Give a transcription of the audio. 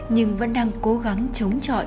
nhưng vẫn đang cố gắng chống chọi